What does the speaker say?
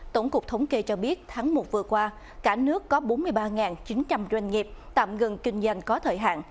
tổng cục thống kê cho biết tháng một vừa qua cả nước có bốn mươi ba chín trăm linh doanh nghiệp tạm ngừng kinh doanh có thời hạn